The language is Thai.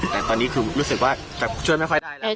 แต่ตอนนี้คือรู้สึกว่าจะช่วยไม่ค่อยได้แล้ว